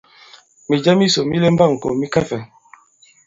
Mìjɛ misò mi lɛmba ì-ŋkò mi kɛ fɛ̄?